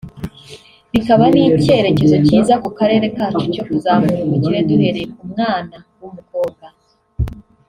bikaba n’icyerekezo cyiza ku karere kacu cyo kuzamura ubukire duhereye ku mwana w’umukobwa